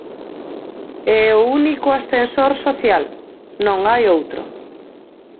É o único ascensor social, non hai outro.